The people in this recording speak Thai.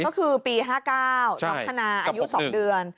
ก็คือปี๕๙น้องธนาอายุ๒เดือน